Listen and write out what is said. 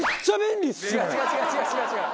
違う違う違う違う！